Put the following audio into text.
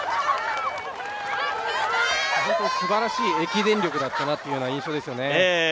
すばらしい駅伝力だったなというのが印象ですね。